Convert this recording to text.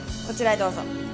こちらへどうぞ。